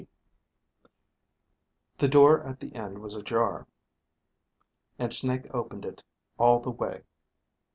G The door at the end was ajar, and Snake opened it all the way.